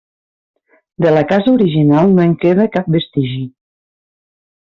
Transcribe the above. De la casa original no en queda cap vestigi.